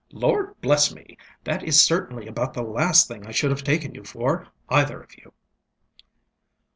ŌĆ£Lord bless me! that is certainly about the last thing I should have taken you for, either of you.